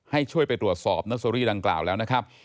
ให้ช่วยไปตรวจสอบเนอร์เซอรี่ดังกล่าวแล้วนะครับ